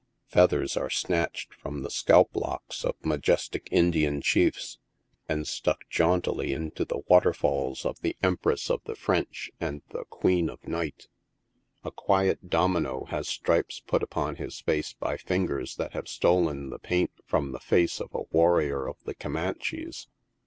Feathers are snatched from the scalp locks of majestic Indian Chiefs, and stuck jauntily into the waterfalls of the Empress of the A SATURDAY NIGHT AT THE OLD BOWERY. 117 French and the Queen of Night A quiet domino has stripes put upon his face by lingers that have stolen the paint from the face of a warrior of the Comanches.